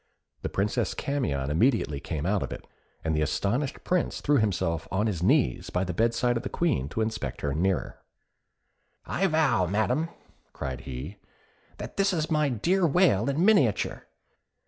The Princess Camion immediately came out of it, and the astonished Prince threw himself on his knees by the bed side of the Queen to inspect her nearer. "I vow, Madam," cried he, "that this is my dear Whale in miniature.